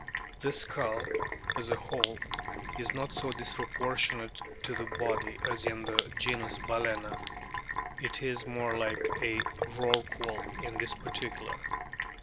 The skull, as a whole, is not so dispro portionate to the body as in the genus Bal&na ; it is more like a Rorqual in this particular.